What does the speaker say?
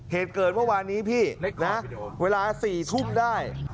เหตุเกิดเมื่อวานนี้พี่นะเวลา๔ทุ่มได้